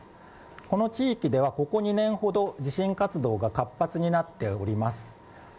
この地域ではここ２年ほど地震活動が活発になっております。